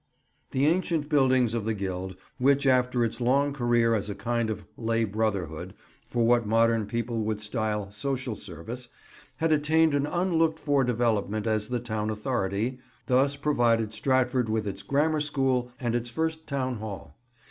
The ancient buildings of the Guild, which after its long career as a kind of lay brotherhood for what modern people would style "social service," had attained an unlooked for development as the town authority, thus provided Stratford with its Grammar School and its first town hall.